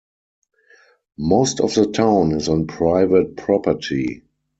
Most of the town is on private property.